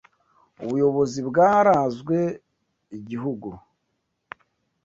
ubuyobozi bwarazwe igihugu